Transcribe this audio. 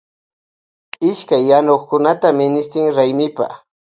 Ishkay yanukunata mishitin raymipa.